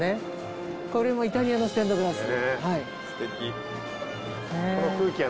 これもイタリアのステンドグラス。